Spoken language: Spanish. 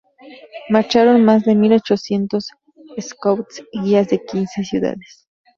Marcharon más de mil ochocientos scouts y guías de quince ciudades.